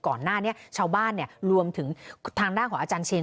ก่อนหน้านี้ชาวบ้านเนี่ยรวมถึงทางด้านของอาจารย์เชน